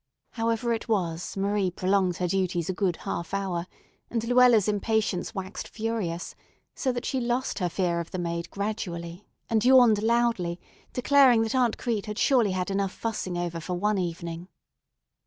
However it was, Marie prolonged her duties a good half hour, and Luella's impatience waxed furious, so that she lost her fear of the maid gradually, and yawned loudly, declaring that Aunt Crete had surely had enough fussing over for one evening.